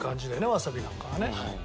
わさびなんかはね。